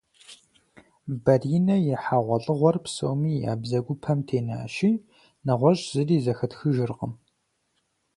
Баринэ и хьэгъуэлӏыгъуэр псоми я бзэгупэм тенащи, нэгъуэщӏ зыри зэхэтхыжыркъым.